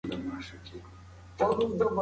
موږ باید تل د حق پلوي وکړو.